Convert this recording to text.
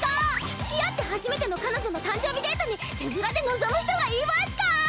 つきあって初めての彼女の誕生日デートに手ぶらで臨む人がいますか！